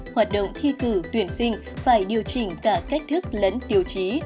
hoạt động thi cử tuyển sinh phải điều chỉnh cả cách thức lẫn tiêu chí